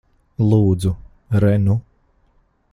Lūdzu. Re nu.